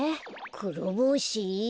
クロボウシ？